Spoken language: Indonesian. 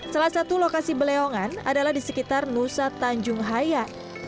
salah satu lokasi beleongan adalah di sekitar nusa tanjung haya